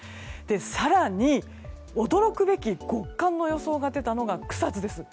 更に、驚くべき極寒の予想が出たのが草津です。